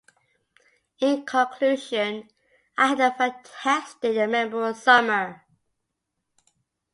In conclusion, I had a fantastic and memorable summer.